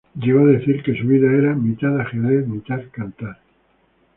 Llegó a decir que su vida era "mitad ajedrez, mitad cantar".